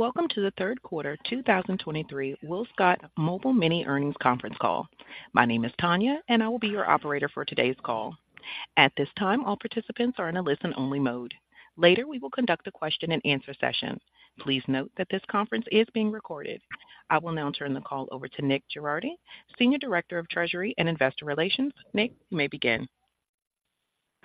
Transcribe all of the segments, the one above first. Welcome to the third quarter 2023 WillScot Mobile Mini Earnings Conference Call. My name is Tanya, and I will be your operator for today's call. At this time, all participants are in a listen-only mode. Later, we will conduct a question-and-answer session. Please note that this conference is being recorded. I will now turn the call over to Nick Girardi, Senior Director of Treasury and Investor Relations. Nick, you may begin.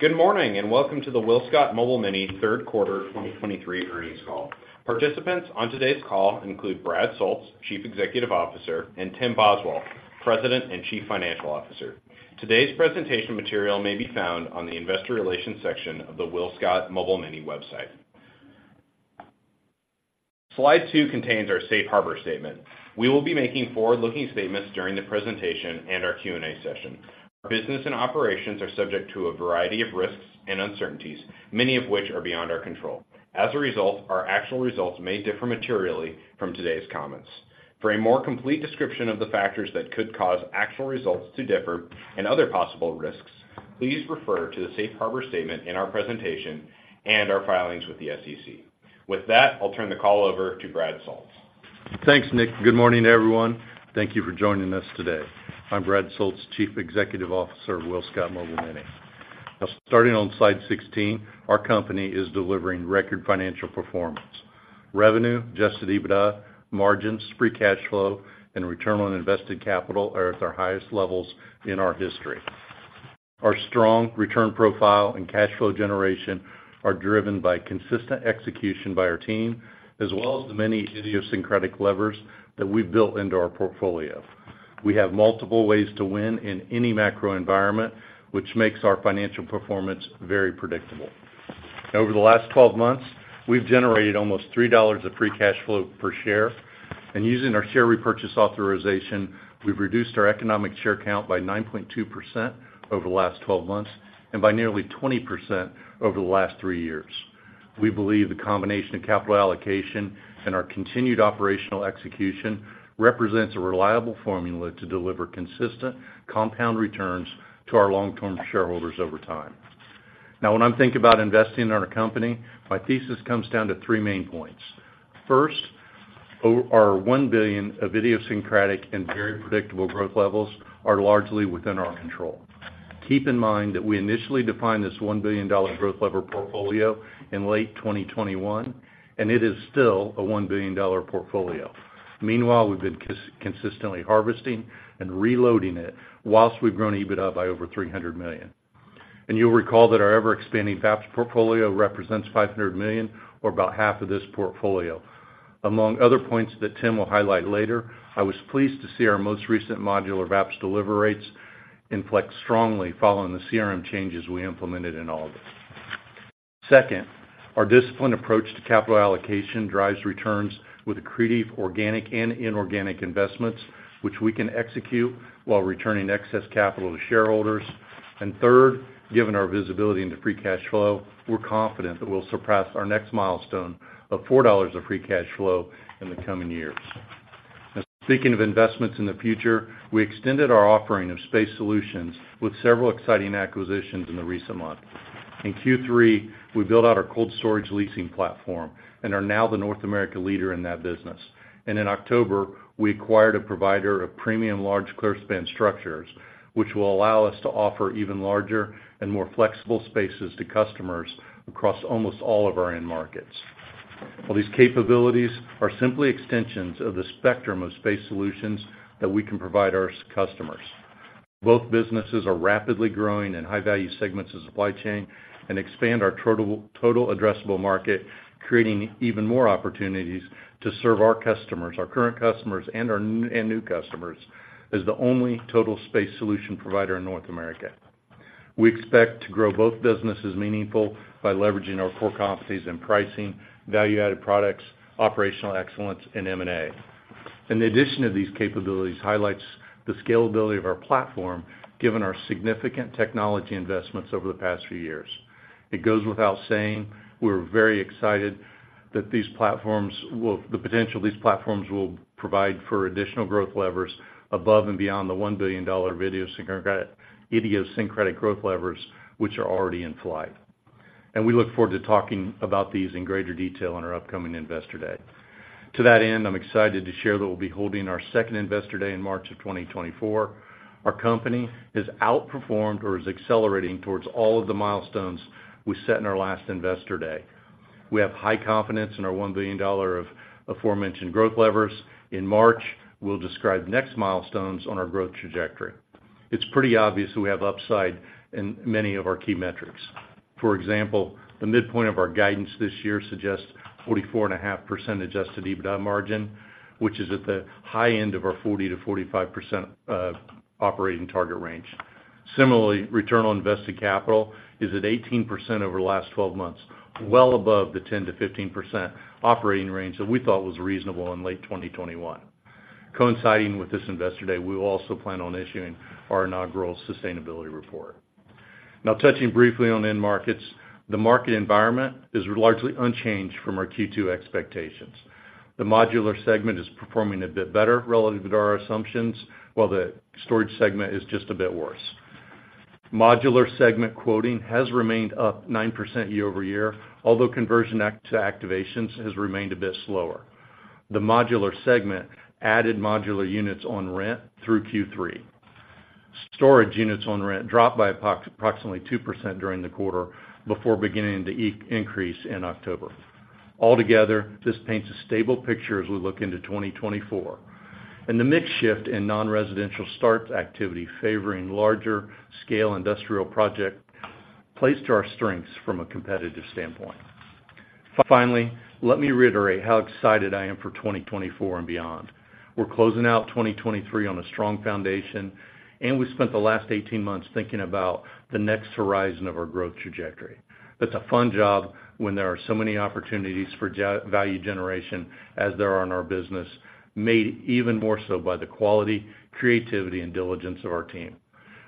Good morning, and welcome to the WillScot Mobile Mini third quarter 2023 earnings call. Participants on today's call include Brad Soultz, Chief Executive Officer, and Tim Boswell, President and Chief Financial Officer. Today's presentation material may be found on the investor relations section of the WillScot Mobile Mini website. Slide 2 contains our safe harbor statement. We will be making forward-looking statements during the presentation and our Q&A session. Our business and operations are subject to a variety of risks and uncertainties, many of which are beyond our control. As a result, our actual results may differ materially from today's comments. For a more complete description of the factors that could cause actual results to differ and other possible risks, please refer to the safe harbor statement in our presentation and our filings with the SEC. With that, I'll turn the call over to Brad Soultz. Thanks, Nick. Good morning, everyone. Thank you for joining us today. I'm Brad Soultz, Chief Executive Officer of WillScot Mobile Mini. Now, starting on slide 16, our company is delivering record financial performance. Revenue, Adjusted EBITDA, margins, Free Cash Flow, and Return on Invested Capital are at their highest levels in our history. Our strong return profile and cash flow generation are driven by consistent execution by our team, as well as the many idiosyncratic levers that we've built into our portfolio. We have multiple ways to win in any macro environment, which makes our financial performance very predictable. Over the last 12 months, we've generated almost $3 of Free Cash Flow per share, and using our share repurchase authorization, we've reduced our economic share count by 9.2% over the last 12 months and by nearly 20% over the last 3 years. We believe the combination of capital allocation and our continued operational execution represents a reliable formula to deliver consistent compound returns to our long-term shareholders over time. Now, when I'm thinking about investing in our company, my thesis comes down to three main points. First, our $1 billion of idiosyncratic and very predictable growth levels are largely within our control. Keep in mind that we initially defined this $1 billion growth lever portfolio in late 2021, and it is still a $1 billion portfolio. Meanwhile, we've been consistently harvesting and reloading it whilst we've grown EBITDA by over $300 million. And you'll recall that our ever-expanding VAPS portfolio represents $500 million, or about half of this portfolio. Among other points that Tim will highlight later, I was pleased to see our most recent modular VAPS delivery rates inflect strongly following the CRM changes we implemented in August. Second, our disciplined approach to capital allocation drives returns with accretive, organic, and inorganic investments, which we can execute while returning excess capital to shareholders. Third, given our visibility into free cash flow, we're confident that we'll surpass our next milestone of $4 of free cash flow in the coming years. Speaking of investments in the future, we extended our offering of space solutions with several exciting acquisitions in the recent months. In Q3, we built out our cold storage leasing platform and are now the North America leader in that business. In October, we acquired a provider of premium large clear span structures, which will allow us to offer even larger and more flexible spaces to customers across almost all of our end markets. While these capabilities are simply extensions of the spectrum of space solutions that we can provide our customers, both businesses are rapidly growing in high value segments of supply chain and expand our total, total addressable market, creating even more opportunities to serve our customers, our current customers and our... and new customers, as the only total space solution provider in North America. We expect to grow both businesses meaningful by leveraging our core competencies in pricing, value-added products, operational excellence, and M&A. In addition to these capabilities, highlights the scalability of our platform, given our significant technology investments over the past few years. It goes without saying, we're very excited that these platforms will the potential of these platforms will provide for additional growth levers above and beyond the $1 billion idiosyncratic, idiosyncratic growth levers, which are already in flight. We look forward to talking about these in greater detail on our upcoming Investor Day. To that end, I'm excited to share that we'll be holding our second Investor Day in March of 2024. Our company has outperformed or is accelerating towards all of the milestones we set in our last Investor Day. We have high confidence in our $1 billion of aforementioned growth levers. In March, we'll describe next milestones on our growth trajectory. It's pretty obvious we have upside in many of our key metrics. For example, the midpoint of our guidance this year suggests 44.5% Adjusted EBITDA margin, which is at the high end of our 40%-45% operating target range. Similarly, return on invested capital is at 18% over the last 12 months, well above the 10%-15% operating range that we thought was reasonable in late 2021. Coinciding with this Investor Day, we will also plan on issuing our inaugural sustainability report. Now, touching briefly on end markets, the market environment is largely unchanged from our Q2 expectations. The modular segment is performing a bit better relative to our assumptions, while the storage segment is just a bit worse. Modular segment quoting has remained up 9% year-over-year, although conversion act to activations has remained a bit slower. The modular segment added modular units on rent through Q3. Storage units on rent dropped by approximately 2% during the quarter before beginning to increase in October. Altogether, this paints a stable picture as we look into 2024, and the mix shift in non-residential start activity favoring larger scale industrial project plays to our strengths from a competitive standpoint. Finally, let me reiterate how excited I am for 2024 and beyond. We're closing out 2023 on a strong foundation, and we spent the last 18 months thinking about the next horizon of our growth trajectory. That's a fun job when there are so many opportunities for value generation as there are in our business, made even more so by the quality, creativity, and diligence of our team.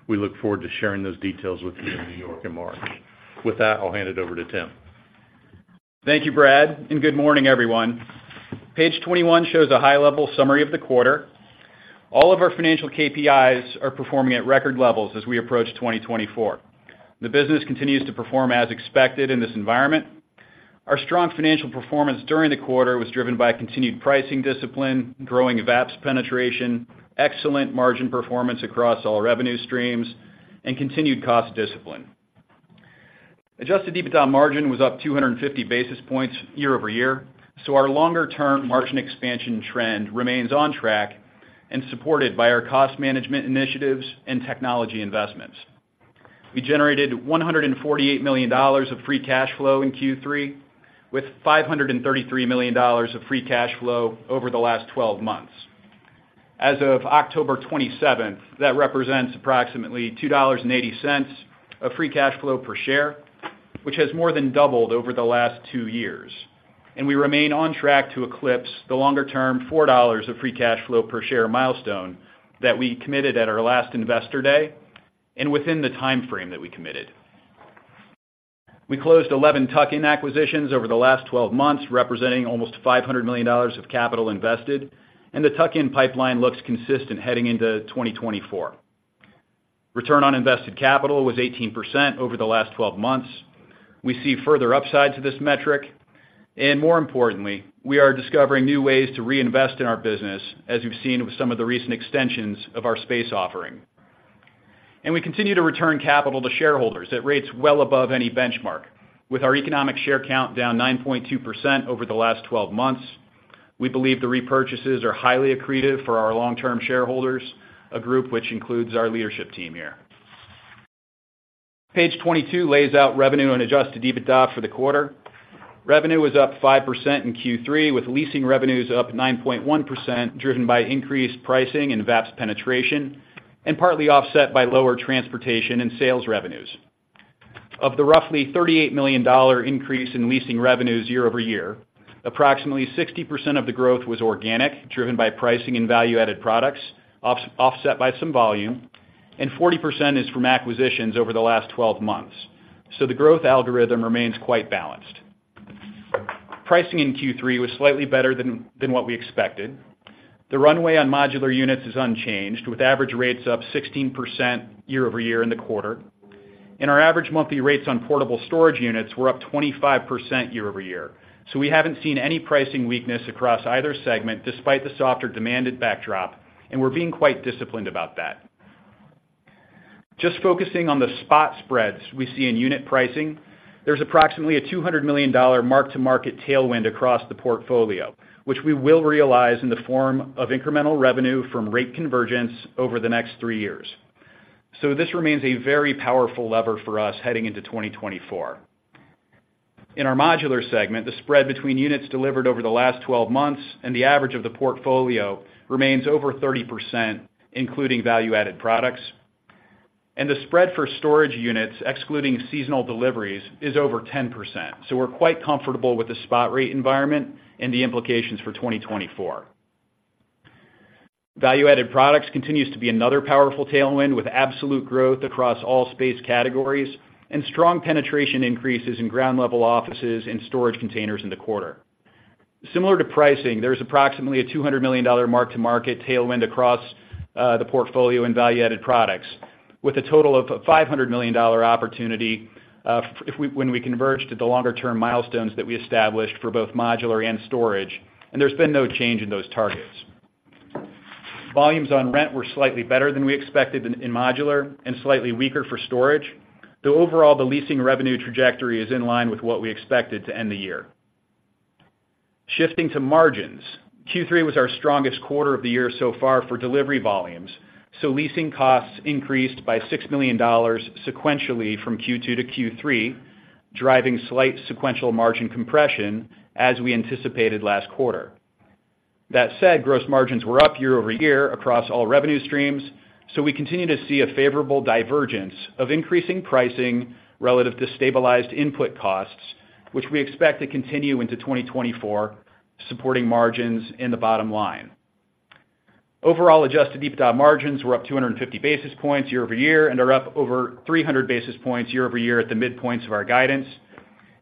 We look forward to sharing those details with you in New York tomorrow. With that, I'll hand it over to Tim. Thank you, Brad, and good morning, everyone. Page 21 shows a high-level summary of the quarter. All of our financial KPIs are performing at record levels as we approach 2024. The business continues to perform as expected in this environment. Our strong financial performance during the quarter was driven by a continued pricing discipline, growing VAPS penetration, excellent margin performance across all revenue streams, and continued cost discipline. Adjusted EBITDA margin was up 250 basis points year-over-year, so our longer-term margin expansion trend remains on track and supported by our cost management initiatives and technology investments. We generated $148 million of free cash flow in Q3, with $533 million of free cash flow over the last twelve months. As of October 27th, that represents approximately $2.80 of free cash flow per share, which has more than doubled over the last 2 years, and we remain on track to eclipse the longer-term $4 of free cash flow per share milestone that we committed at our last Investor Day and within the timeframe that we committed. We closed 11 tuck-in acquisitions over the last 12 months, representing almost $500 million of capital invested, and the tuck-in pipeline looks consistent heading into 2024. Return on invested capital was 18% over the last 12 months. We see further upside to this metric, and more importantly, we are discovering new ways to reinvest in our business, as you've seen with some of the recent extensions of our space offering. We continue to return capital to shareholders at rates well above any benchmark. With our economic share count down 9.2% over the last 12 months, we believe the repurchases are highly accretive for our long-term shareholders, a group which includes our leadership team here. Page 22 lays out revenue and Adjusted EBITDA for the quarter. Revenue was up 5% in Q3, with leasing revenues up 9.1%, driven by increased pricing and VAPS penetration, and partly offset by lower transportation and sales revenues. Of the roughly $38 million increase in leasing revenues year-over-year, approximately 60% of the growth was organic, driven by pricing and value-added products, offset by some volume, and 40% is from acquisitions over the last 12 months. So the growth algorithm remains quite balanced. Pricing in Q3 was slightly better than what we expected. The runway on modular units is unchanged, with average rates up 16% year-over-year in the quarter. Our average monthly rates on portable storage units were up 25% year-over-year. We haven't seen any pricing weakness across either segment, despite the softer demanded backdrop, and we're being quite disciplined about that. Just focusing on the spot spreads we see in unit pricing, there's approximately a $200 million mark-to-market tailwind across the portfolio, which we will realize in the form of incremental revenue from rate convergence over the next 3 years. This remains a very powerful lever for us heading into 2024. In our modular segment, the spread between units delivered over the last 12 months and the average of the portfolio remains over 30%, including value-added products. The spread for storage units, excluding seasonal deliveries, is over 10%. We're quite comfortable with the spot rate environment and the implications for 2024. Value-added products continues to be another powerful tailwind, with absolute growth across all space categories, and strong penetration increases in ground-level offices and storage containers in the quarter. Similar to pricing, there's approximately a $200 million mark-to-market tailwind across the portfolio in value-added products, with a total of $500 million opportunity, when we converge to the longer-term milestones that we established for both modular and storage, and there's been no change in those targets. Volumes on rent were slightly better than we expected in modular and slightly weaker for storage, though overall, the leasing revenue trajectory is in line with what we expected to end the year. Shifting to margins, Q3 was our strongest quarter of the year so far for delivery volumes, so leasing costs increased by $6 million sequentially from Q2 to Q3, driving slight sequential margin compression as we anticipated last quarter. That said, gross margins were up year-over-year across all revenue streams, so we continue to see a favorable divergence of increasing pricing relative to stabilized input costs, which we expect to continue into 2024, supporting margins in the bottom line. Overall, Adjusted EBITDA margins were up 250 basis points year-over-year and are up over 300 basis points year-over-year at the midpoints of our guidance...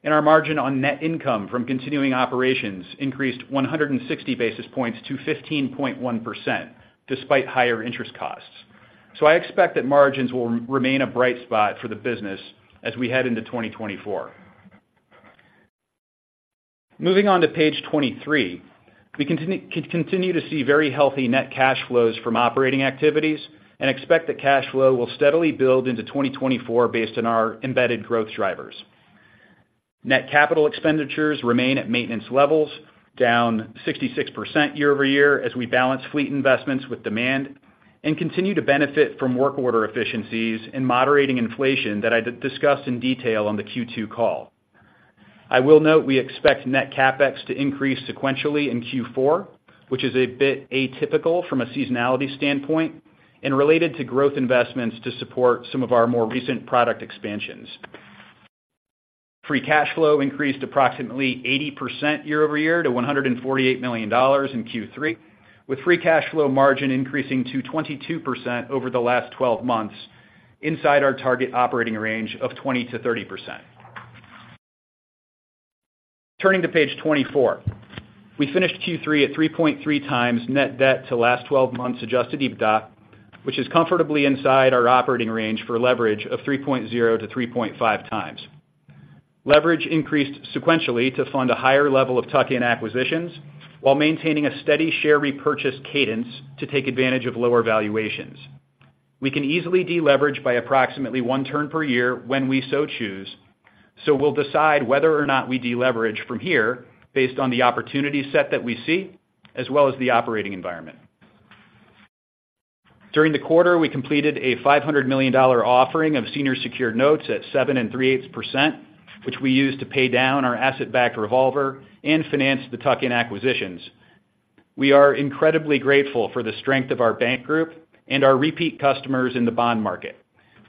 and our margin on net income from continuing operations increased 160 basis points to 15.1%, despite higher interest costs. So I expect that margins will remain a bright spot for the business as we head into 2024. Moving on to page 23, we continue to see very healthy net cash flows from operating activities and expect that cash flow will steadily build into 2024 based on our embedded growth drivers. Net capital expenditures remain at maintenance levels, down 66% year-over-year, as we balance fleet investments with demand and continue to benefit from work order efficiencies and moderating inflation that I discussed in detail on the Q2 call. I will note, we expect net CapEx to increase sequentially in Q4, which is a bit atypical from a seasonality standpoint, and related to growth investments to support some of our more recent product expansions. Free Cash Flow increased approximately 80% year-over-year to $148 million in Q3, with Free Cash Flow margin increasing to 22% over the last twelve months, inside our target operating range of 20%-30%. Turning to page 24. We finished Q3 at 3.3 times net debt to last twelve months Adjusted EBITDA, which is comfortably inside our operating range for leverage of 3.0-3.5 times. Leverage increased sequentially to fund a higher level of tuck-in acquisitions, while maintaining a steady share repurchase cadence to take advantage of lower valuations. We can easily deleverage by approximately 1 turn per year when we so choose, so we'll decide whether or not we deleverage from here based on the opportunity set that we see, as well as the operating environment. During the quarter, we completed a $500 million offering of senior secured notes at 7 3/8%, which we used to pay down our asset-backed revolver and finance the tuck-in acquisitions. We are incredibly grateful for the strength of our bank group and our repeat customers in the bond market.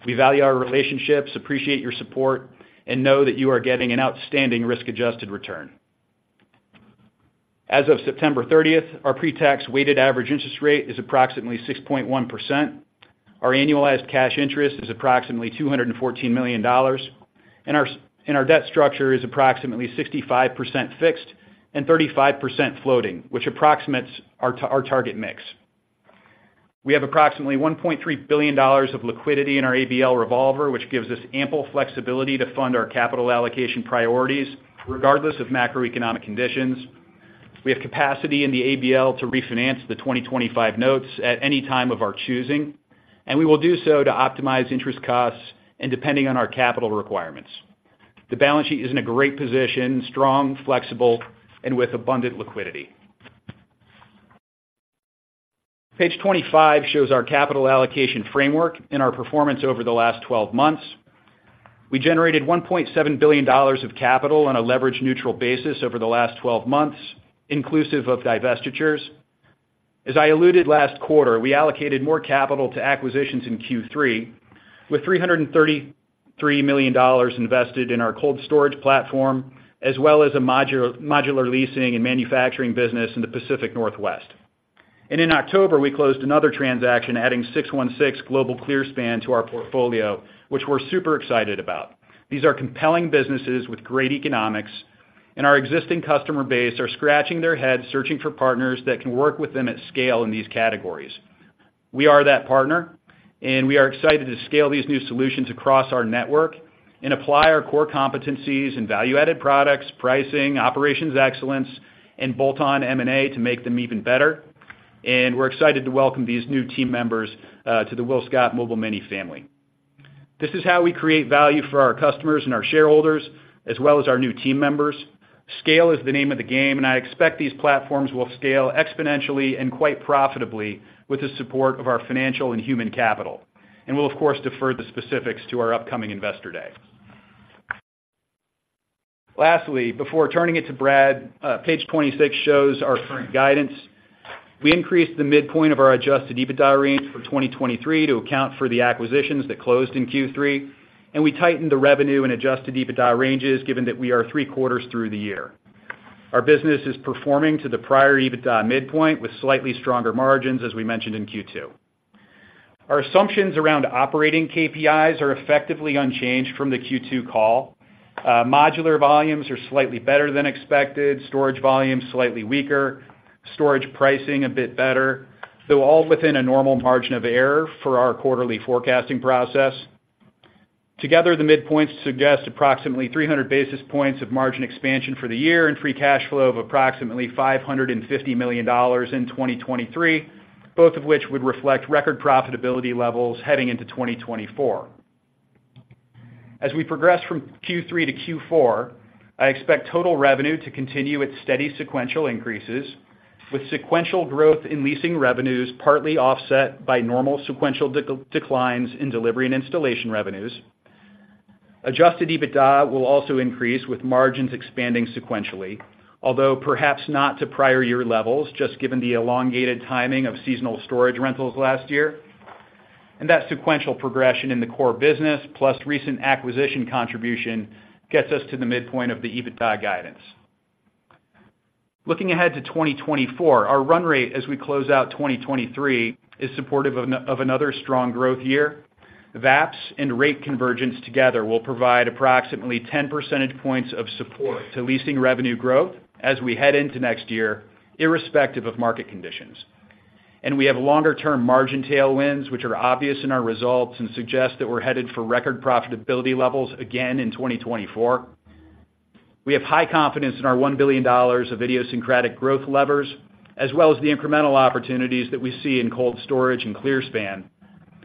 We value our relationships, appreciate your support, and know that you are getting an outstanding risk-adjusted return. As of September 30th, our pretax weighted average interest rate is approximately 6.1%. Our annualized cash interest is approximately $214 million, and our debt structure is approximately 65% fixed and 35% floating, which approximates our target mix. We have approximately $1.3 billion of liquidity in our ABL revolver, which gives us ample flexibility to fund our capital allocation priorities, regardless of macroeconomic conditions. We have capacity in the ABL to refinance the 2025 notes at any time of our choosing, and we will do so to optimize interest costs and depending on our capital requirements. The balance sheet is in a great position, strong, flexible, and with abundant liquidity. Page 25 shows our capital allocation framework and our performance over the last 12 months. We generated $1.7 billion of capital on a leverage-neutral basis over the last 12 months, inclusive of divestitures. As I alluded last quarter, we allocated more capital to acquisitions in Q3, with $333 million invested in our cold storage platform, as well as a modular leasing and manufacturing business in the Pacific Northwest. And in October, we closed another transaction, adding 616 Global clearspans to our portfolio, which we're super excited about. These are compelling businesses with great economics, and our existing customer base are scratching their heads, searching for partners that can work with them at scale in these categories. We are that partner, and we are excited to scale these new solutions across our network and apply our core competencies and value-added products, pricing, operations excellence, and bolt-on M&A to make them even better. And we're excited to welcome these new team members to the WillScot Mobile Mini family. This is how we create value for our customers and our shareholders, as well as our new team members. Scale is the name of the game, and I expect these platforms will scale exponentially and quite profitably with the support of our financial and human capital, and we'll, of course, defer the specifics to our upcoming Investor Day. Lastly, before turning it to Brad, page 26 shows our current guidance. We increased the midpoint of our Adjusted EBITDA range for 2023 to account for the acquisitions that closed in Q3, and we tightened the revenue and Adjusted EBITDA ranges, given that we are three quarters through the year. Our business is performing to the prior EBITDA midpoint with slightly stronger margins, as we mentioned in Q2. Our assumptions around operating KPIs are effectively unchanged from the Q2 call. Modular volumes are slightly better than expected, storage volumes slightly weaker, storage pricing a bit better, though all within a normal margin of error for our quarterly forecasting process. Together, the midpoints suggest approximately 300 basis points of margin expansion for the year and free cash flow of approximately $550 million in 2023, both of which would reflect record profitability levels heading into 2024. As we progress from Q3 to Q4, I expect total revenue to continue its steady sequential increases, with sequential growth in leasing revenues partly offset by normal sequential declines in delivery and installation revenues. Adjusted EBITDA will also increase, with margins expanding sequentially, although perhaps not to prior year levels, just given the elongated timing of seasonal storage rentals last year. And that sequential progression in the core business, plus recent acquisition contribution, gets us to the midpoint of the EBITDA guidance. Looking ahead to 2024, our run rate as we close out 2023 is supportive of another strong growth year. VAPS and rate convergence together will provide approximately 10 percentage points of support to leasing revenue growth as we head into next year, irrespective of market conditions. We have longer-term margin tailwinds, which are obvious in our results and suggest that we're headed for record profitability levels again in 2024. We have high confidence in our $1 billion of idiosyncratic growth levers, as well as the incremental opportunities that we see in cold storage and clearspan.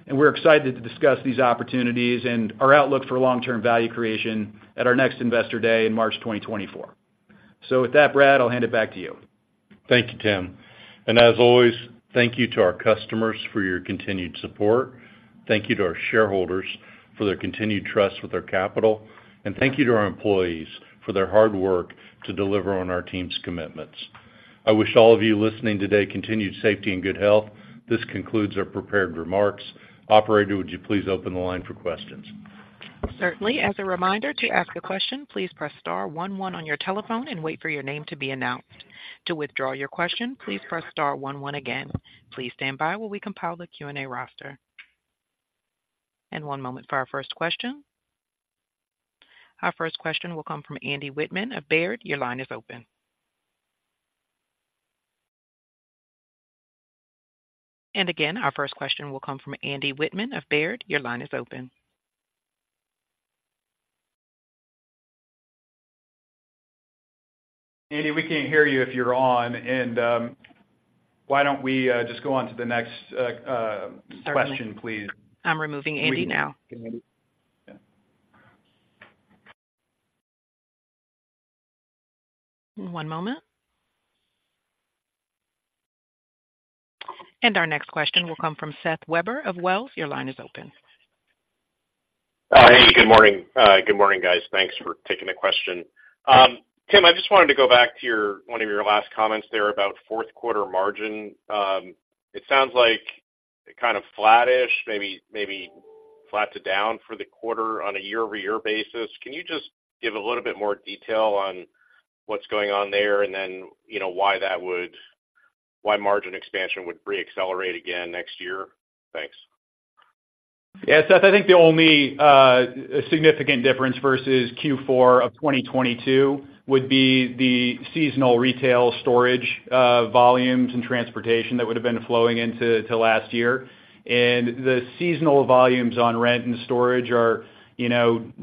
We're excited to discuss these opportunities and our outlook for long-term value creation at our next Investor Day in March 2024. With that, Brad, I'll hand it back to you. Thank you, Tim. And as always, thank you to our customers for your continued support. Thank you to our shareholders for their continued trust with our capital, and thank you to our employees for their hard work to deliver on our team's commitments. I wish all of you listening today, continued safety and good health. This concludes our prepared remarks. Operator, would you please open the line for questions? Certainly. As a reminder, to ask a question, please press star one one on your telephone and wait for your name to be announced. To withdraw your question, please press star one one again. Please stand by while we compile the Q&A roster. And one moment for our first question. Our first question will come from Andy Wittmann of Baird. Your line is open. And again, our first question will come from Andy Wittmann of Baird. Your line is open. Andy, we can't hear you if you're on, and why don't we just go on to the next question, please? I'm removing Andy now. Yeah. One moment. Our next question will come from Seth Weber of Wells. Your line is open. Hi, good morning. Good morning, guys. Thanks for taking the question. Tim, I just wanted to go back to one of your last comments there about fourth quarter margin. It sounds like kind of flattish, maybe flat to down for the quarter on a year-over-year basis. Can you just give a little bit more detail on what's going on there, and then why that would, why margin expansion would reaccelerate again next year? Thanks. Yeah, Seth, I think the only significant difference versus Q4 of 2022 would be the seasonal retail storage volumes and transportation that would have been flowing into last year. And the seasonal volumes on rent and storage are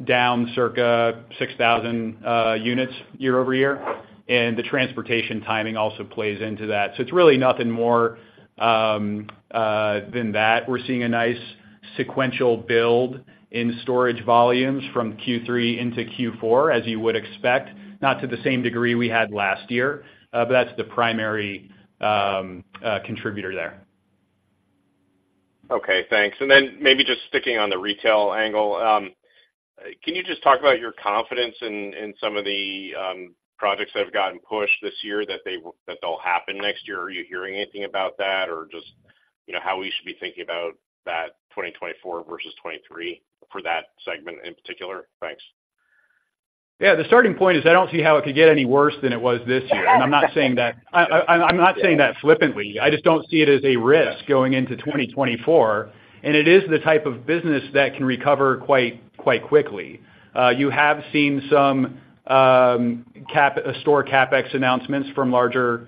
down circa 6,000 units year-over-year, and the transportation timing also plays into that. So it's really nothing more than that. We're seeing a nice sequential build in storage volumes from Q3 into Q4, as you would expect, not to the same degree we had last year, but that's the primary contributor there. Okay, thanks. And then maybe just sticking on the retail angle. Can you just talk about your confidence in some of the projects that have gotten pushed this year, that they'll happen next year? Are you hearing anything about that? Or just how we should be thinking about that 2024 versus 2023 for that segment in particular. Thanks. Yeah, the starting point is I don't see how it could get any worse than it was this year. And I'm not saying that, I'm not saying that flippantly. I just don't see it as a risk going into 2024, and it is the type of business that can recover quite quickly. You have seen some store CapEx announcements from larger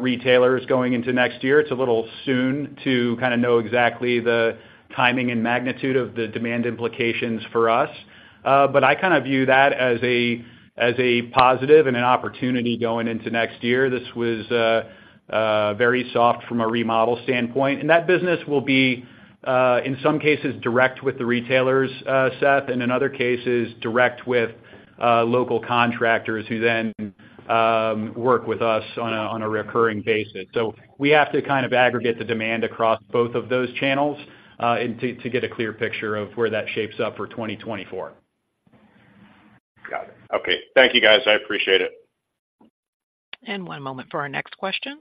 retailers going into next year. It's a little soon to kind of know exactly the timing and magnitude of the demand implications for us. But I kind of view that as a positive and an opportunity going into next year. This was very soft from a remodel standpoint, and that business will be, in some cases, direct with the retailers, Seth, and in other cases, direct with local contractors who then work with us on a recurring basis. So we have to kind of aggregate the demand across both of those channels, and to get a clear picture of where that shapes up for 2024. Got it. Okay. Thank you, guys. I appreciate it. One moment for our next question.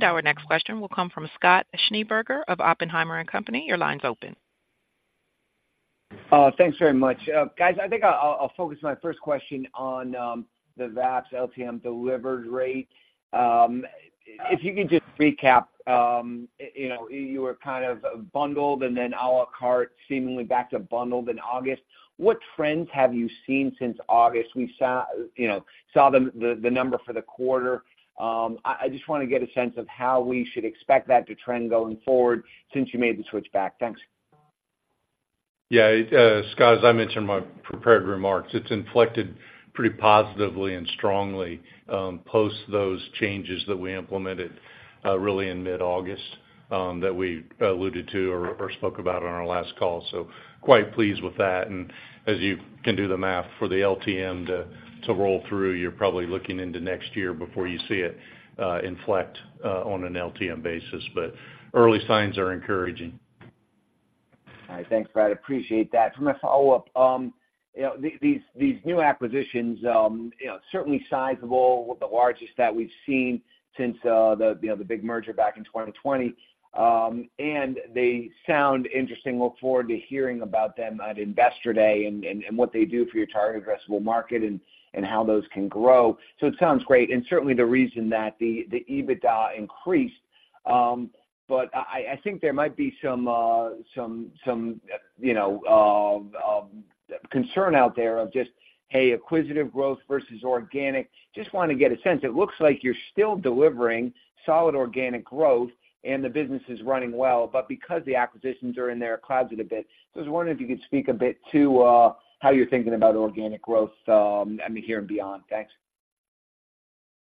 Our next question will come from Scott Schneeberger of Oppenheimer and Company. Your line's open. Thanks very much. Guys, I think I'll focus my first question on the VAPS LTM delivered rate. If you could just recap you were kind of bundled and then a la carte, seemingly back to bundled in August. What trends have you seen since August? We saw the number for the quarter. I just want to get a sense of how we should expect that to trend going forward since you made the switch back. Thanks. Yeah, Scott, as I mentioned in my prepared remarks, it's inflected pretty positively and strongly, post those changes that we implemented, really in mid-August, that we alluded to or spoke about on our last call. So quite pleased with that. And as you can do the math for the LTM to roll through, you're probably looking into next year before you see it, inflect, on an LTM basis. But early signs are encouraging. All right. Thanks, Brad, appreciate that. From a follow-up these new acquisitions certainly sizable, the largest that we've seen since the big merger back in 2020. And they sound interesting. Look forward to hearing about them at Investor Day and what they do for your target addressable market and how those can grow. So it sounds great, and certainly the reason that the EBITDA increased. But I think there might be some concern out there of just, hey, acquisitive growth versus organic. Just want to get a sense. It looks like you're still delivering solid organic growth and the business is running well, but because the acquisitions are in there, it clouds it a bit. I was wondering if you could speak a bit to how you're thinking about organic growth, I mean, here and beyond. Thanks.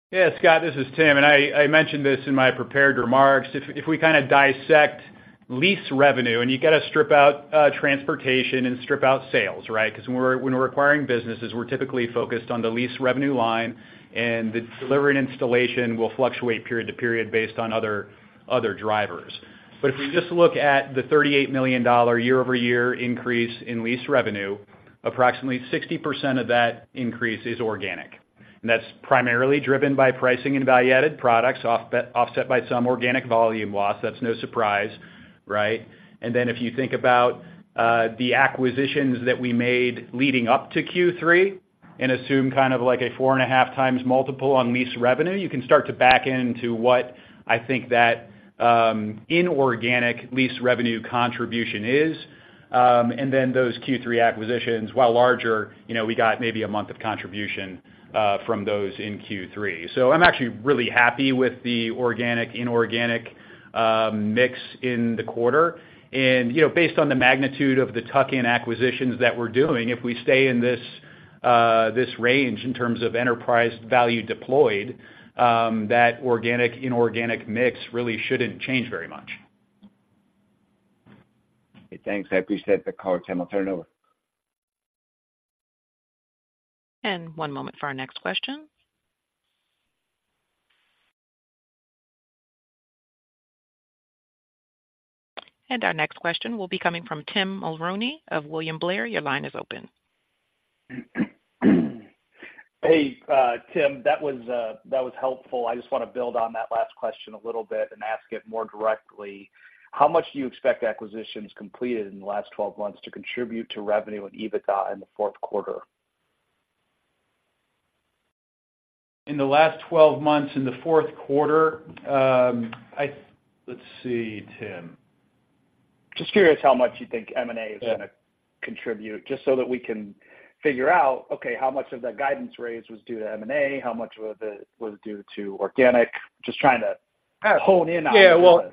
Yeah, Scott, this is Tim, and I, I mentioned this in my prepared remarks. If, if we kind of dissect lease revenue, and you got to strip out transportation and strip out sales, right? Because when we're, when we're acquiring businesses, we're typically focused on the lease revenue line, and the delivery and installation will fluctuate period to period based on other, other drivers. But if we just look at the $38 million year-over-year increase in lease revenue, approximately 60% of that increase is organic. And that's primarily driven by pricing and value-added products, offset by some organic volume loss. That's no surprise, right? And then, if you think about the acquisitions that we made leading up to Q3 and assume kind of like a 4.5x multiple on lease revenue, you can start to back into what I think that inorganic lease revenue contribution is. And then those Q3 acquisitions, while larger, we got maybe a month of contribution from those in Q3. So I'm actually really happy with the organic, inorganic mix in the quarter. And based on the magnitude of the tuck-in acquisitions that we're doing, if we stay in this, this range in terms of enterprise value deployed, that organic, inorganic mix really shouldn't change very much. Hey, thanks. I appreciate the call, Tim. I'll turn it over. One moment for our next question. Our next question will be coming from Tim Mulrooney of William Blair. Your line is open. Hey, Tim, that was, that was helpful. I just want to build on that last question a little bit and ask it more directly: How much do you expect acquisitions completed in the last 12 months to contribute to revenue and EBITDA in the fourth quarter? In the last 12 months, in the fourth quarter, let's see, Tim. Just curious how much you think M&A is gonna contribute, just so that we can figure out, okay, how much of that guidance raise was due to M&A? How much of it was due to organic? Just trying to kind of hone in on it. Yeah, well,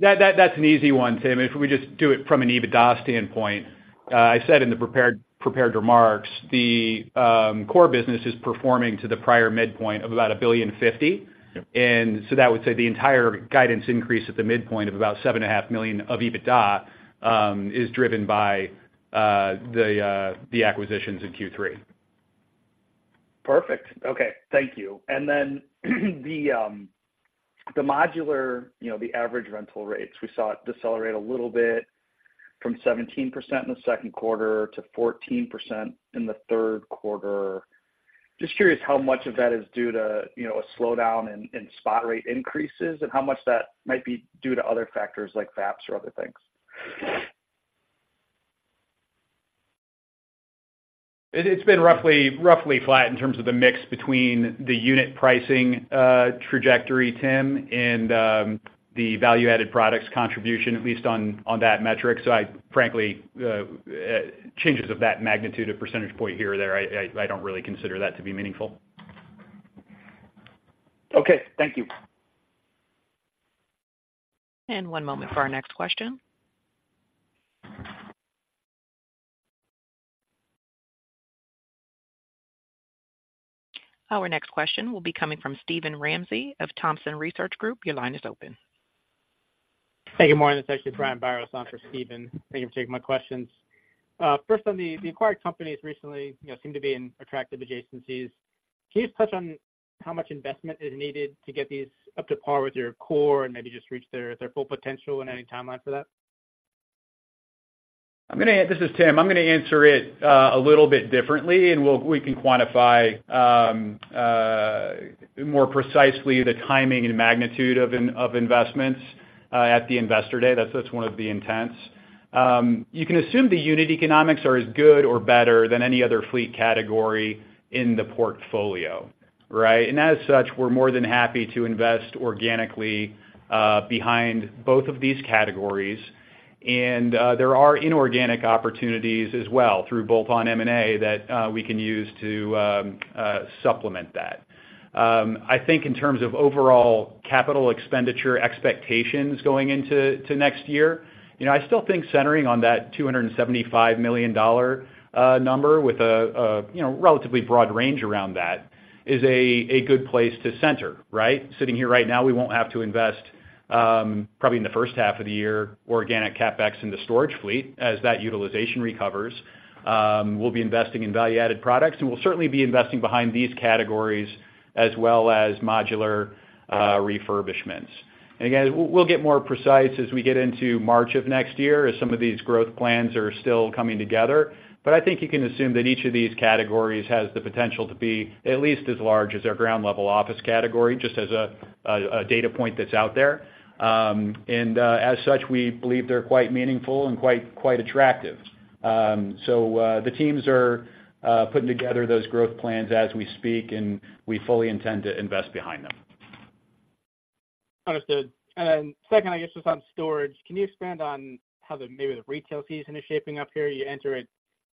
that's an easy one, Tim. If we just do it from an EBITDA standpoint, I said in the prepared remarks, the core business is performing to the prior midpoint of about $1.05 billion. And so that would say the entire guidance increase at the midpoint of about $7.5 million of EBITDA is driven by the acquisitions in Q3. Perfect. Okay, thank you. And then, the, the modular the average rental rates, we saw it decelerate a little bit from 17% in the second quarter to 14% in the third quarter. Just curious how much of that is due to a slowdown in spot rate increases and how much that might be due to other factors like VAPS or other things? It's been roughly, roughly flat in terms of the mix between the unit pricing, trajectory, Tim, and, the value-added products contribution, at least on, on that metric. So I frankly, changes of that magnitude, a percentage point here or there, I don't really consider that to be meaningful. Okay, thank you. One moment for our next question. Our next question will be coming from Steven Ramsey of Thompson Research Group. Your line is open. Hey, good morning. This is actually Brian Biros on for Steven. Thank you for taking my questions. First on the acquired companies recently seem to be in attractive adjacencies. Can you just touch on how much investment is needed to get these up to par with your core and maybe just reach their full potential and any timeline for that? I'm gonna this is Tim. I'm gonna answer it a little bit differently, and we'll we can quantify more precisely the timing and magnitude of of investments at the Investor Day. That's, that's one of the intents. You can assume the unit economics are as good or better than any other fleet category in the portfolio, right? And as such, we're more than happy to invest organically behind both of these categories. And, there are inorganic opportunities as well, through bolt-on M&A, that we can use to supplement that. I think in terms of overall capital expenditure expectations going into next year, I still think centering on that $275 million number with a relatively broad range around that, is a good place to center, right? Sitting here right now, we won't have to invest, probably in the first half of the year, organic CapEx in the storage fleet, as that utilization recovers. We'll be investing in value-added products, and we'll certainly be investing behind these categories as well as modular refurbishments. And again, we'll get more precise as we get into March of next year, as some of these growth plans are still coming together. But I think you can assume that each of these categories has the potential to be at least as large as our ground-level office category, just as a data point that's out there. And, as such, we believe they're quite meaningful and quite attractive. So, the teams are putting together those growth plans as we speak, and we fully intend to invest behind them. Understood. Then second, I guess, just on storage, can you expand on how the maybe the retail season is shaping up here? You enter it,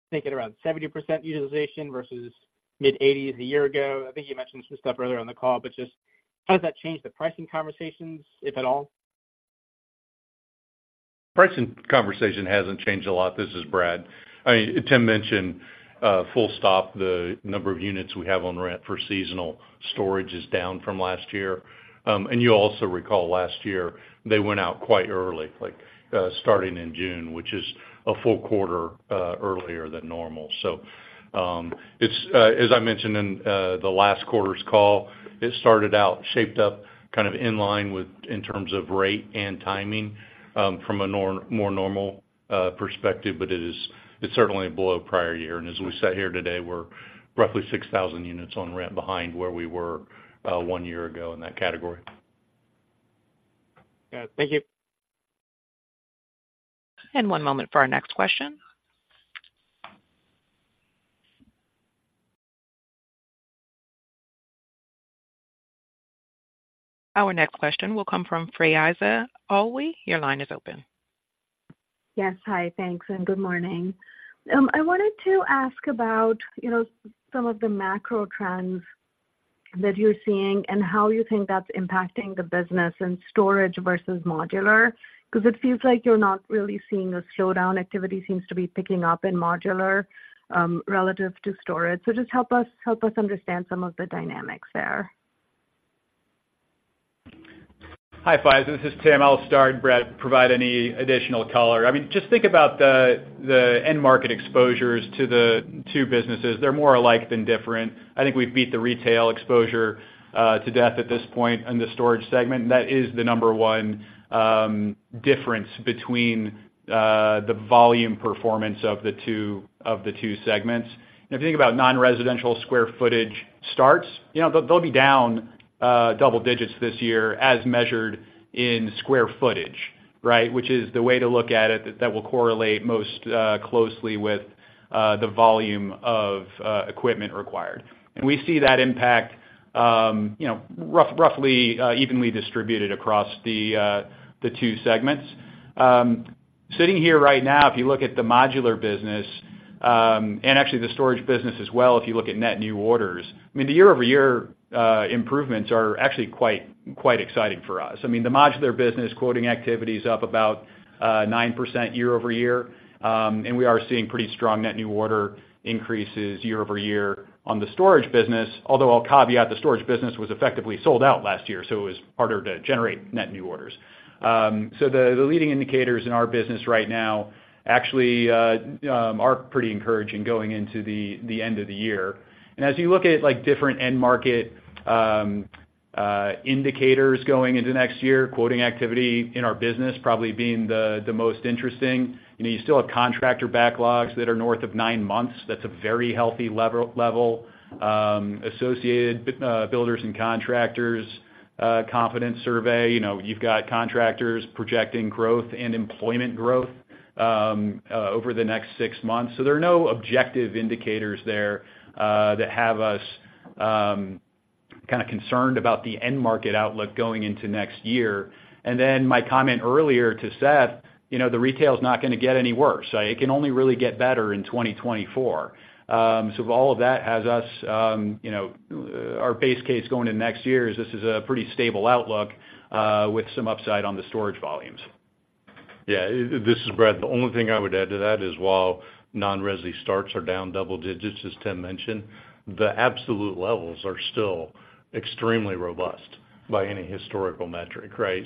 I think, at around 70% utilization versus mid-80s% a year ago. I think you mentioned some stuff earlier on the call, but just how does that change the pricing conversations, if at all? Pricing conversation hasn't changed a lot. This is Brad. I mean, Tim mentioned, full stop, the number of units we have on rent for seasonal storage is down from last year. And you also recall last year, they went out quite early, like, starting in June, which is a full quarter, earlier than normal. So, it's, as I mentioned in, the last quarter's call, it started out, shaped up kind of in line with... in terms of rate and timing, from a more normal, perspective, but it is, it's certainly below prior year. And as we sit here today, we're roughly 6,000 units on rent behind where we were, one year ago in that category. Got it. Thank you. One moment for our next question. Our next question will come from Faiza Alwy. Your line is open. Yes. Hi, thanks, and good morning. I wanted to ask about some of the macro trends that you're seeing and how you think that's impacting the business and storage versus modular. Because it feels like you're not really seeing a slowdown. Activity seems to be picking up in modular, relative to storage. So just help us, help us understand some of the dynamics there. Hi, Faiza, this is Tim. I'll start, and Brad, provide any additional color. I mean, just think about the end market exposures to the two businesses. They're more alike than different. I think we've beat the retail exposure to death at this point in the storage segment. That is the number one difference between the volume performance of the two segments. And if you think about non-residential square footage starts, they'll be down double digits this year as measured in square footage, right? Which is the way to look at it, that will correlate most closely with the volume of equipment required. And we see that impact roughly evenly distributed across the two segments. Sitting here right now, if you look at the modular business, and actually the storage business as well, if you look at net new orders, I mean, the year-over-year improvements are actually quite, quite exciting for us. I mean, the modular business quoting activity is up about 9% year-over-year, and we are seeing pretty strong net new order increases year-over-year on the storage business, although I'll caveat, the storage business was effectively sold out last year, so it was harder to generate net new orders. So the, the leading indicators in our business right now, actually, are pretty encouraging going into the, the end of the year. And as you look at, like, different end market indicators going into next year, quoting activity in our business probably being the most interesting, you still have contractor backlogs that are north of nine months. That's a very healthy level. Associated Builders and Contractors confidence survey you've got contractors projecting growth and employment growth over the next six months. So there are no objective indicators there that have us kind of concerned about the end market outlook going into next year. And then my comment earlier to Seth, the retail is not going to get any worse. It can only really get better in 2024. So all of that has us our base case going into next year is this is a pretty stable outlook, with some upside on the storage volumes. Yeah, this is Brad. The only thing I would add to that is while non-resi starts are down double digits, as Tim mentioned, the absolute levels are still extremely robust by any historical metric, right?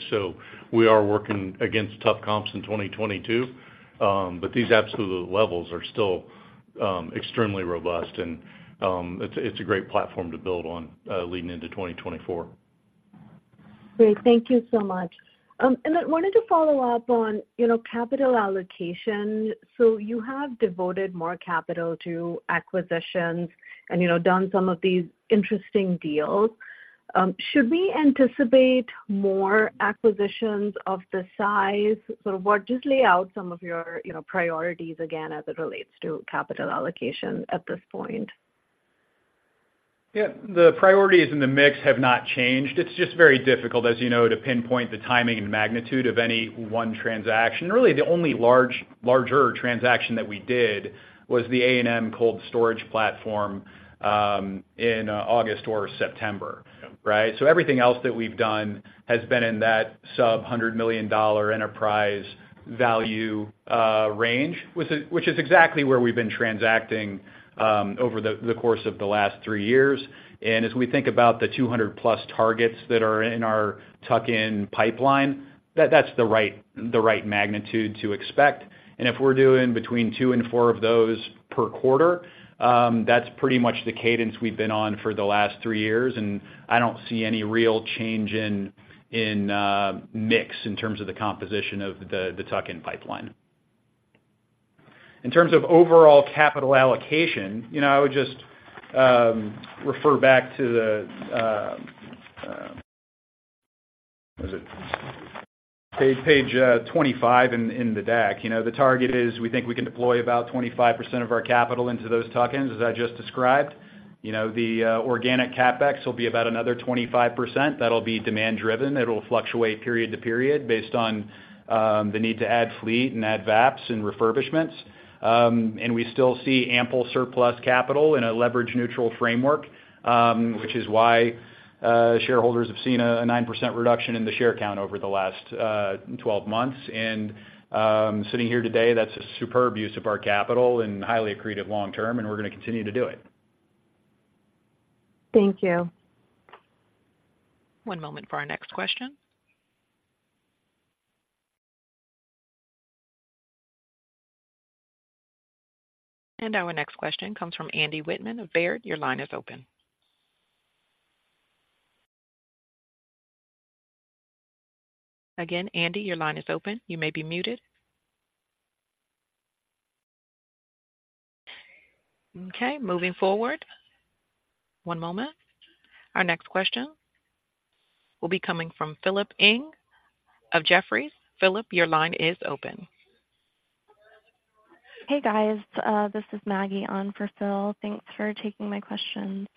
We are working against tough comps in 2022, but these absolute levels are still extremely robust, and it's a great platform to build on, leading into 2024. Great. Thank you so much. And I wanted to follow up on capital allocation. So you have devoted more capital to acquisitions and done some of these interesting deals. Should we anticipate more acquisitions of this size? So just lay out some of your priorities again, as it relates to capital allocation at this point. The priorities in the mix have not changed. It's just very difficult, as you know, to pinpoint the timing and magnitude of any one transaction. Really, the only larger transaction that we did was the A&M Cold Storage platform in August or September. Right? So everything else that we've done has been in that sub-$100 million enterprise value range, which is exactly where we've been transacting over the course of the last three years. And as we think about the 200+ targets that are in our tuck-in pipeline, that's the right magnitude to expect. And if we're doing between 2 and 4 of those per quarter, that's pretty much the cadence we've been on for the last three years, and I don't see any real change in mix in terms of the composition of the tuck-in pipeline. In terms of overall capital allocation I would just refer back to the, was it page 25 in the deck? The target is, we think we can deploy about 25% of our capital into those tuck-ins, as I just described. The organic CapEx will be about another 25%. That'll be demand driven. It'll fluctuate period to period based on the need to add fleet and add VAPS and refurbishments. And we still see ample surplus capital in a leverage-neutral framework, which is why shareholders have seen a 9% reduction in the share count over the last 12 months. And sitting here today, that's a superb use of our capital and highly accretive long term, and we're gonna continue to do it. Thank you. One moment for our next question. Our next question comes from Andy Wittmann of Baird. Your line is open. Again, Andy, your line is open. You may be muted. Okay, moving forward. One moment. Our next question will be coming from Philip Ng of Jefferies. Philip, your line is open. Hey, guys. This is Maggie on for Phil. Thanks for taking my questions.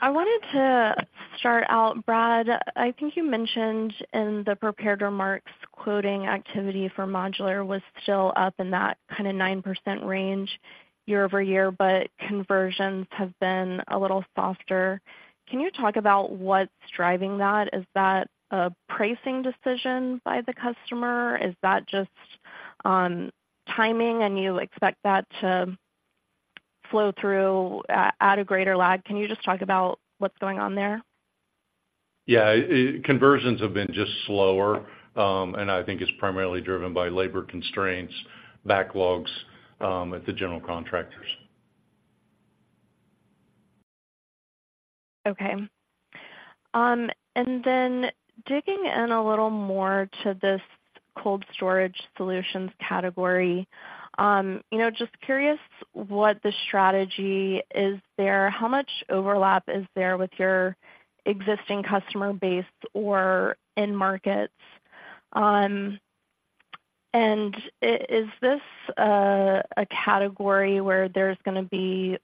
I wanted to start out, Brad. I think you mentioned in the prepared remarks, quoting activity for modular was still up in that kind of 9% range year-over-year, but conversions have been a little softer. Can you talk about what's driving that? Is that a pricing decision by the customer? Is that just timing, and you expect that to flow through at a greater lag? Can you just talk about what's going on there? Yeah, conversions have been just slower, and I think it's primarily driven by labor constraints, backlogs, at the general contractors. Okay. And then digging in a little more to this cold storage solutions category, just curious what the strategy is there. How much overlap is there with your existing customer base or end markets? And is this a category where there's gonna be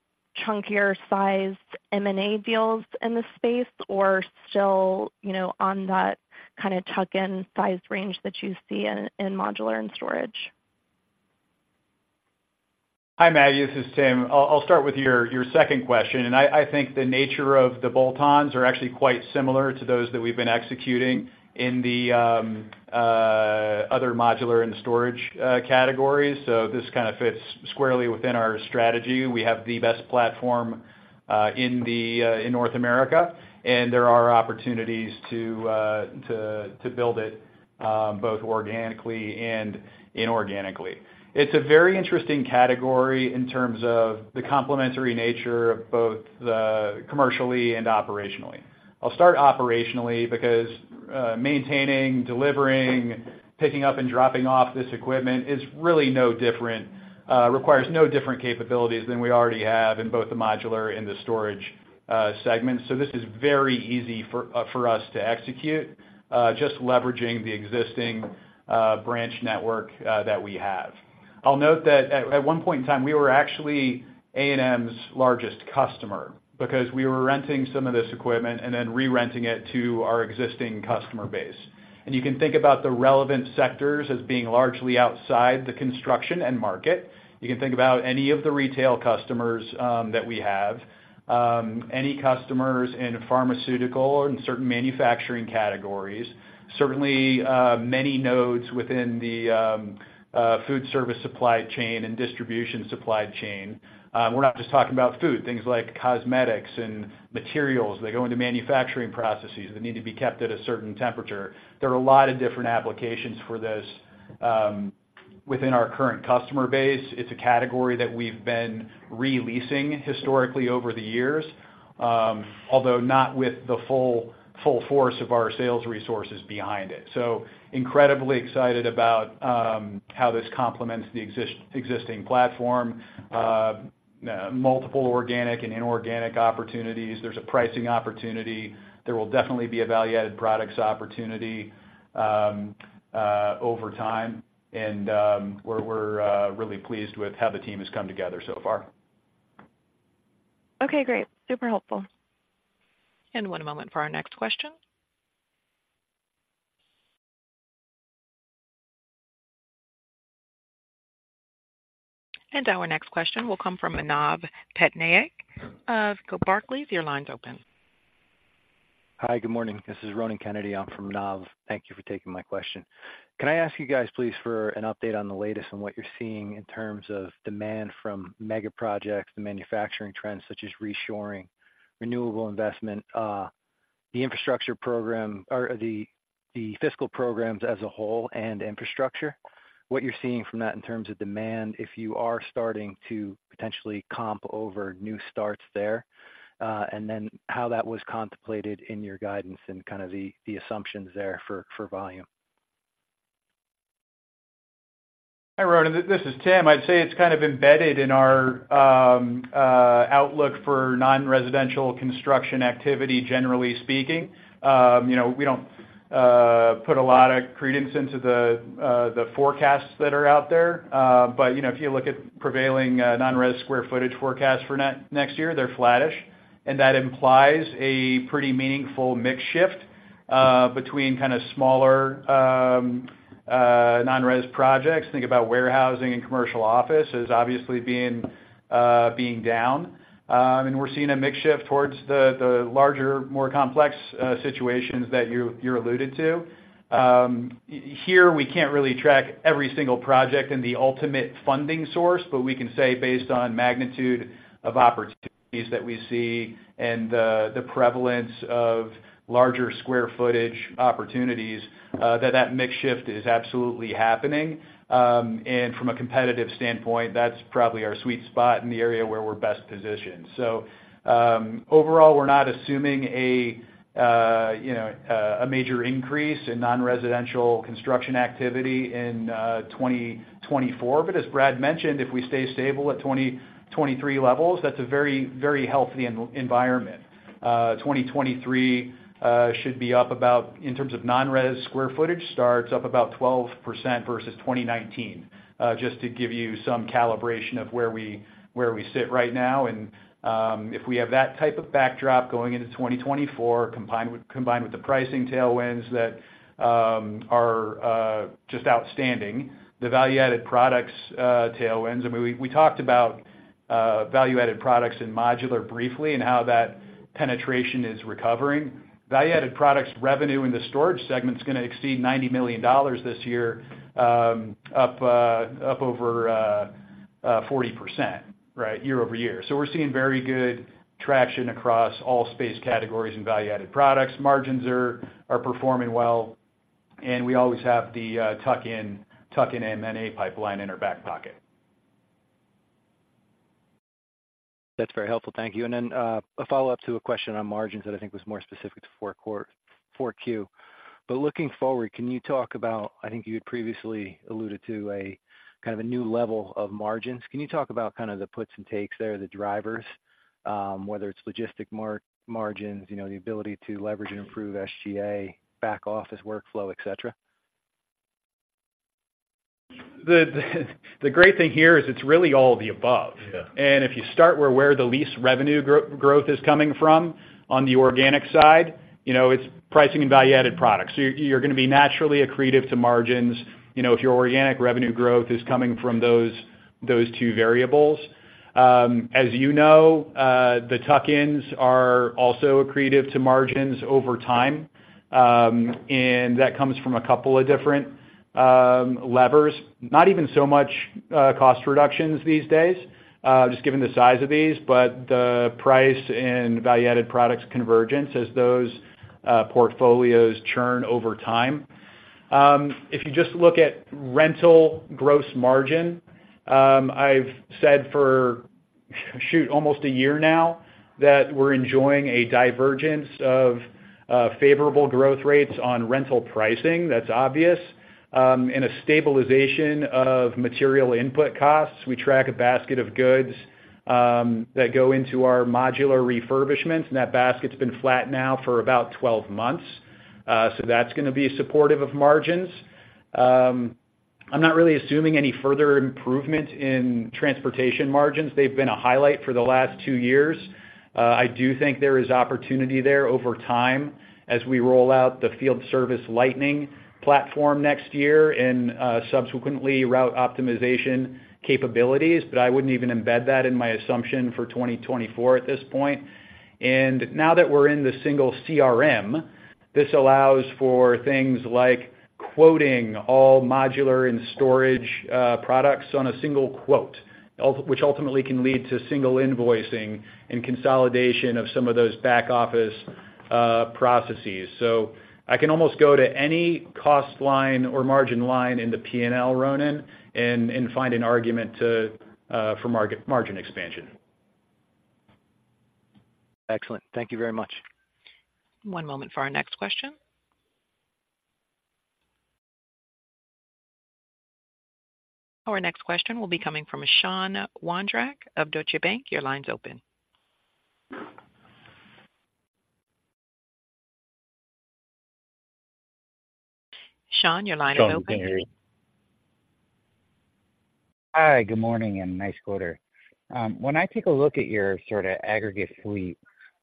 chunkier sized M&A deals in the space, or still on that kind of tuck-in size range that you see in modular and storage? Hi, Maggie, this is Tim. I'll start with your second question, and I think the nature of the bolt-ons are actually quite similar to those that we've been executing in the other modular and storage categories. So this kind of fits squarely within our strategy. We have the best platform in North America, and there are opportunities to build it both organically and inorganically. It's a very interesting category in terms of the complementary nature of both the commercially and operationally. I'll start operationally, because maintaining, delivering, picking up and dropping off this equipment is really no different, requires no different capabilities than we already have in both the modular and the storage segments. So this is very easy for, for us to execute, just leveraging the existing, branch network, that we have. I'll note that at one point in time, we were actually A&M's largest customer because we were renting some of this equipment and then re-renting it to our existing customer base. And you can think about the relevant sectors as being largely outside the construction end market. You can think about any of the retail customers, that we have, any customers in pharmaceutical or in certain manufacturing categories, certainly, many nodes within the, food service supply chain and distribution supply chain. We're not just talking about food, things like cosmetics and materials that go into manufacturing processes that need to be kept at a certain temperature. There are a lot of different applications for this within our current customer base. It's a category that we've been re-leasing historically over the years, although not with the full force of our sales resources behind it. So incredibly excited about how this complements the existing platform, multiple organic and inorganic opportunities. There's a pricing opportunity. There will definitely be a value-added products opportunity over time. And we're really pleased with how the team has come together so far. Okay, great. Super helpful. One moment for our next question. Our next question will come from Manav Patnaik of Barclays. Your line's open. Hi, good morning. This is Ronan Kennedy. I'm from Manav. Thank you for taking my question. Can I ask you guys, please, for an update on the latest on what you're seeing in terms of demand from mega projects, the manufacturing trends, such as reshoring, renewable investment, the infrastructure program or the, the fiscal programs as a whole and infrastructure, what you're seeing from that in terms of demand, if you are starting to potentially comp over new starts there, and then how that was contemplated in your guidance and kind of the, the assumptions there for, for volume? Hi, Ronan, this is Tim. I'd say it's kind of embedded in our outlook for non-residential construction activity, generally speaking. We don't put a lot of credence into the forecasts that are out there. But if you look at prevailing non-res square footage forecast for next year, they're flattish, and that implies a pretty meaningful mix shift between kind of smaller non-res projects. Think about warehousing and commercial office as obviously being down. And we're seeing a mix shift towards the larger, more complex situations that you alluded to. Here, we can't really track every single project and the ultimate funding source, but we can say based on magnitude of opportunities that we see and the, the prevalence of larger square footage opportunities, that, that mix shift is absolutely happening. And from a competitive standpoint, that's probably our sweet spot in the area where we're best positioned. So, overall, we're not assuming a major increase in non-residential construction activity in 2024. But as Brad mentioned, if we stay stable at 2023 levels, that's a very, very healthy environment. 2023 should be up about, in terms of non-residential square footage, starts up about 12% versus 2019. Just to give you some calibration of where we, where we sit right now. If we have that type of backdrop going into 2024, combined with, combined with the pricing tailwinds that are just outstanding, the value-added products tailwinds. I mean, we talked about value-added products in modular briefly and how that penetration is recovering. Value-added products revenue in the storage segment is going to exceed $90 million this year, up over 40%, right, year-over-year. So we're seeing very good traction across all space categories and value-added products. Margins are performing well, and we always have the tuck-in M&A pipeline in our back pocket. That's very helpful. Thank you. Then, a follow-up to a question on margins that I think was more specific to 4Q. But looking forward, can you talk about, I think you had previously alluded to a kind of a new level of margins. Can you talk about kind of the puts and takes there, the drivers, whether it's logistic margins, the ability to leverage and improve SGA, back office workflow, et cetera? The great thing here is it's really all the above. And if you start where the lease revenue growth is coming from on the organic side, it's pricing and value-added products. So you're going to be naturally accretive to margins, if your organic revenue growth is coming from those two variables. As you know, the tuck-ins are also accretive to margins over time, and that comes from a couple of different levers, not even so much cost reductions these days, just given the size of these, but the price and value-added products convergence as those portfolios churn over time. If you just look at rental gross margin, I've said for, shoot, almost a year now, that we're enjoying a divergence of favorable growth rates on rental pricing, that's obvious, and a stabilization of material input costs. We track a basket of goods, that go into our modular refurbishments, and that basket's been flat now for about 12 months. So that's going to be supportive of margins. I'm not really assuming any further improvement in transportation margins. They've been a highlight for the last 2 years. I do think there is opportunity there over time as we roll out the Field Service Lightning platform next year and, subsequently, route optimization capabilities, but I wouldn't even embed that in my assumption for 2024 at this point. Now that we're in the single CRM, this allows for things like quoting all modular and storage products on a single quote, which ultimately can lead to single invoicing and consolidation of some of those back office processes. So I can almost go to any cost line or margin line in the P&L, Ronan, and find an argument for margin expansion. Excellent. Thank you very much. One moment for our next question. Our next question will be coming from Sean Wondrack of Deutsche Bank. Your line's open. Sean, your line is open. Hi, good morning and nice quarter. When I take a look at your sort of aggregate fleet,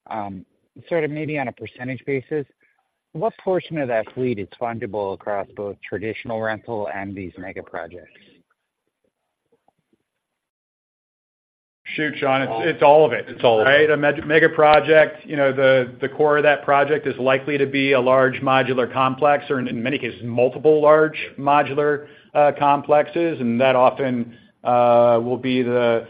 sort of maybe on a percentage basis, what portion of that fleet is fungible across both traditional rental and these mega projects? Shoot, Sean, it's, it's all of it. Right? A mega project, the core of that project is likely to be a large modular complex or in many cases, multiple large modular complexes, and that often will be the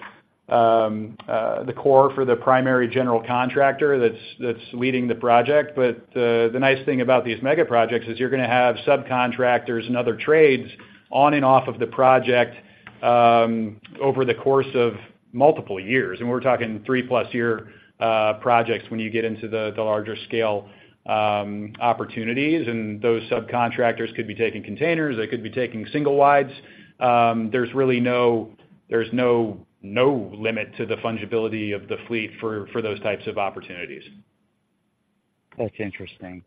core for the primary general contractor that's leading the project. But the nice thing about these mega projects is you're gonna have subcontractors and other trades on and off of the project over the course of multiple years, and we're talking three-plus year projects when you get into the larger scale opportunities. And those subcontractors could be taking containers, they could be taking single-wides. There's really no limit to the fungibility of the fleet for those types of opportunities. That's interesting.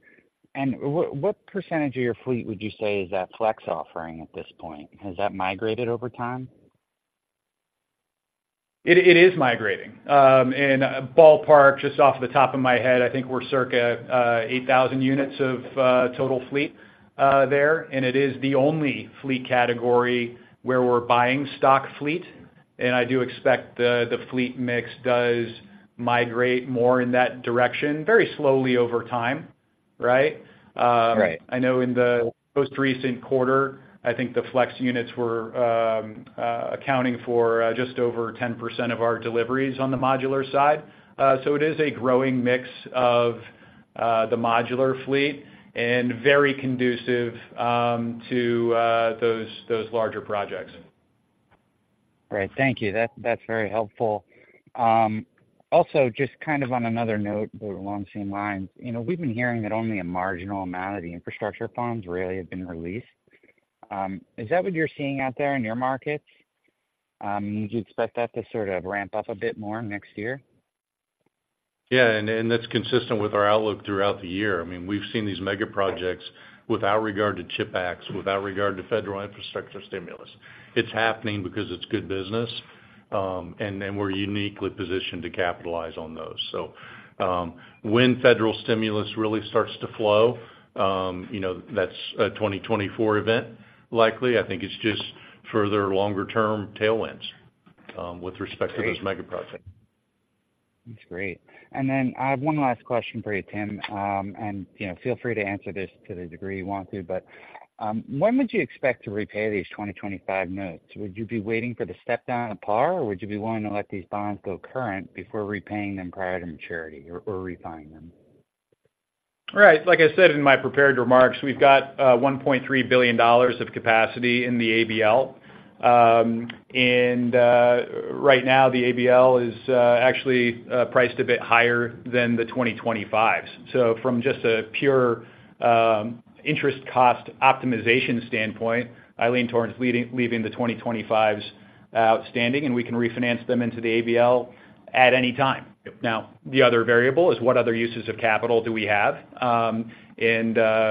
And what percentage of your fleet would you say is that FLEX offering at this point? Has that migrated over time? It is migrating. And ballpark, just off the top of my head, I think we're circa 8,000 units of total fleet there. And it is the only fleet category where we're buying stock fleet, and I do expect the fleet mix does migrate more in that direction very slowly over time, right? Right. I know in the most recent quarter, I think the FLEX units were accounting for just over 10% of our deliveries on the modular side. So it is a growing mix of the modular fleet and very conducive to those larger projects. Great. Thank you. That, that's very helpful. Also, just kind of on another note, but along the same lines, we've been hearing that only a marginal amount of the infrastructure funds really have been released. Is that what you're seeing out there in your markets? Do you expect that to sort of ramp up a bit more next year? Yeah, and that's consistent with our outlook throughout the year. I mean, we've seen these mega projects without regard to CHIPS Act, without regard to federal infrastructure stimulus. It's happening because it's good business, and then we're uniquely positioned to capitalize on those. So, when federal stimulus really starts to flow, that's a 2024 event, likely. I think it's just further longer-term tailwinds, with respect to those mega projects. That's great. And then I have one last question for you, Tim. And feel free to answer this to the degree you want to. But, when would you expect to repay these 2025 notes? Would you be waiting for the step down on par, or would you be willing to let these bonds go current before repaying them prior to maturity or refining them? Right. Like I said in my prepared remarks, we've got $1.3 billion of capacity in the ABL. And right now, the ABL is actually priced a bit higher than the 2025s. So from just a pure interest cost optimization standpoint, I lean towards leaving the 2025s outstanding, and we can refinance them into the ABL at any time. Now, the other variable is what other uses of capital do we have? And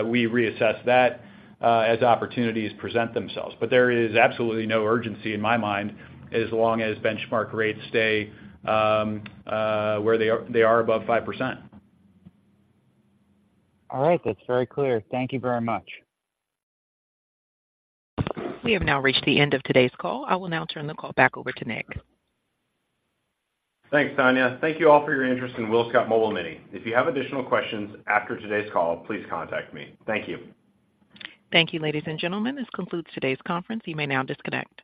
we reassess that as opportunities present themselves. But there is absolutely no urgency in my mind, as long as benchmark rates stay where they are, they are above 5%. All right. That's very clear. Thank you very much. We have now reached the end of today's call. I will now turn the call back over to Nick. Thanks, Tanya. Thank you all for your interest in WillScot Mobile Mini. If you have additional questions after today's call, please contact me. Thank you. Thank you, ladies and gentlemen. This concludes today's conference. You may now disconnect.